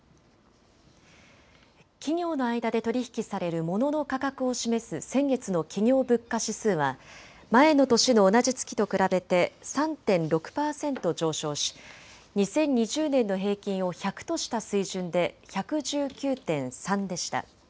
企業の間で取り引きされるモノの価格を示す先月の企業物価指数は前の年の同じ月と比べて３．６％上昇し２０２０年の平均を１００とした水準で１１９．３でした。